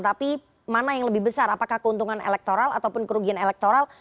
tapi mana yang lebih besar apakah keuntungan elektoral ataupun kerugian elektoral